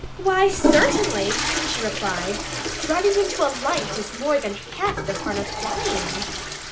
"Why, certainly!" she replied. "Running into a light is more than half the fun of flying."